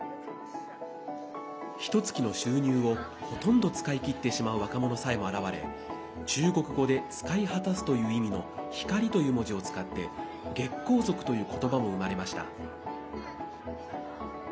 ひとつきの収入をほとんど使い切ってしまう若者さえも現れ中国語で使い果たすという意味の「光」という文字を使って月光族という言葉も生まれました。